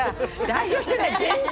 代表してない全然。